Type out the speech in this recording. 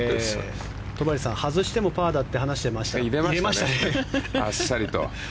戸張さん、外してもパーだと話してましたがあっさりと。